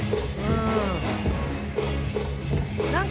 うん。